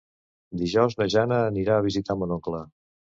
Dijous na Jana anirà a visitar mon oncle.